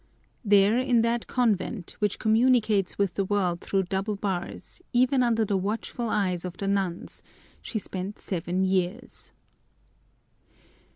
There in that convent, which communicates with the world through double bars, even under the watchful eyes of the nuns, she spent seven years.